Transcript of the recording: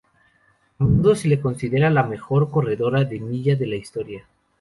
A menudo se la considera la mejor corredora de milla de la historia.